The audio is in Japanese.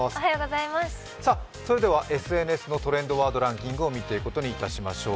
それではＳＮＳのトレンドワードランキングを見ていくことにいたしましょう。